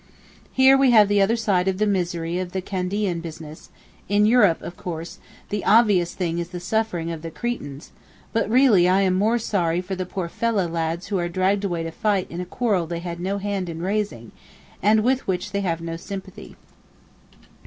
Here we have the other side of the misery of the Candian business; in Europe, of course, the obvious thing is the sufferings of the Cretans, but really I am more sorry for the poor fellah lads who are dragged away to fight in a quarrel they had no hand in raising, and with which they have no sympathy.